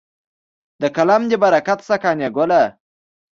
د قلم دې برکت شه قانع ګله.